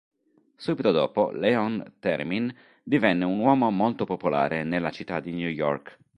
Subito dopo Leon Theremin divenne un uomo molto popolare nella città di New York.